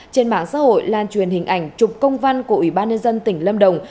trên mạng xã hội lan truyền hình ảnh chụp công văn của ủy ban nhân dân tỉnh lâm đồng